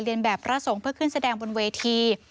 เรียนแบบรสงฆ์เพื่อขึ้นแสดงบนเวที